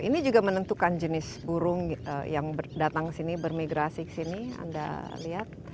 ini juga menentukan jenis burung yang datang sini bermigrasi ke sini anda lihat